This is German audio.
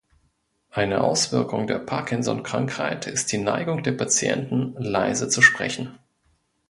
Eine Auswirkung der Parkinson-Krankheit ist die Neigung der Patienten, leise zu sprechen.